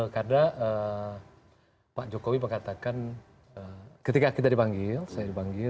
karena pak jokowi mengatakan ketika kita dibanggil saya dibanggil